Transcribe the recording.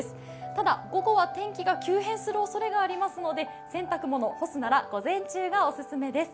ただ、午後は天気が急変するおそれがありますので、洗濯物、干すなら午前中がお勧めです。